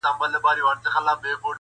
o وهل مي يکطرفه پيشي کوچ هم خوړلي دي٫